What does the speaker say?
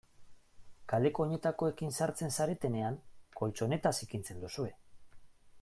Kaleko oinetakoekin sartzen zaretenean koltxoneta zikintzen duzue.